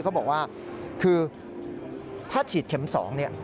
เขาบอกว่าคือถ้าฉีดเข็ม๒เนี่ย